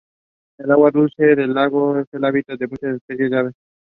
It was the first time he had someone other than himself driving his truck.